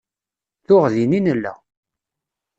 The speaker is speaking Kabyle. Tuɣ din i nella.